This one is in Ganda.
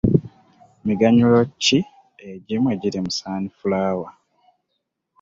Miganyulo ki egimu egiri mu sunflower?